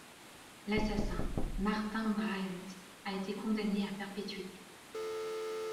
L'assassin, Martin Bryant, a été condamné à perpétuité.